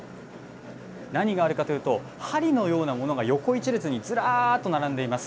何があるかというと、針のようなものが横一列にずらーっと並んでいます。